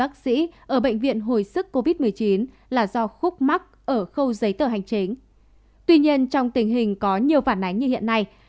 khối sức covid một mươi chín là do khúc mắc ở khâu giấy tờ hành chính tuy nhiên trong tình hình có nhiều phản ánh như hiện nay